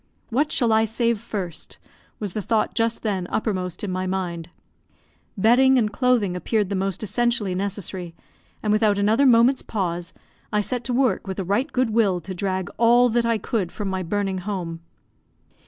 "What shall I save first?" was the thought just then uppermost in my mind. Bedding and clothing appeared the most essentially necessary, and without another moment's pause, I set to work with a right good will to drag all that I could from my burning home.